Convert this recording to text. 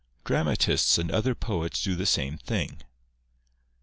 Dramatists and other poets do the same thing.